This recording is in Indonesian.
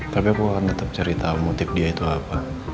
tapi aku akan tetap cerita motif dia itu apa